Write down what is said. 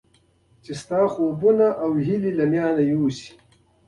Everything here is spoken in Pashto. چې ستا خوبونه او هیلې له منځه یوسي.